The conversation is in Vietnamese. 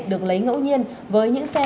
được lấy ngẫu nhiên với những xe